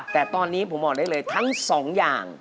แต่ตอนนี้ผมบอกได้เลยทั้งสองอย่าง